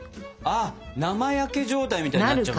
あっ生焼け状態みたいになっちゃうんだ。